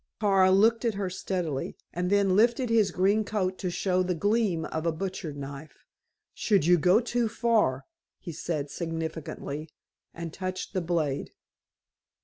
Kara looked at her steadily, and then lifted his green coat to show the gleam of a butcher knife. "Should you go too far," he said significantly; and touched the blade.